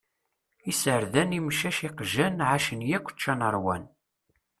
Iserdan, imcac, iqjan, εacen yakk, ččan ṛwan.